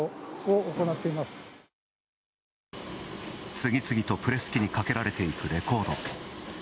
次々とプレス機にかけられていくレコード。